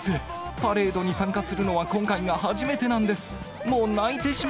パレードに参加するのは今回が初めてなんです。